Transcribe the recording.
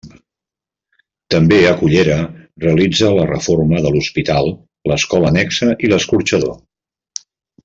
També a Cullera realitza la reforma de l'hospital, l'escola annexa i l'escorxador.